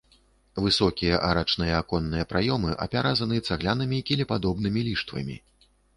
Высокія арачныя аконныя праёмы апяразаны цаглянымі кілепадобнымі ліштвамі.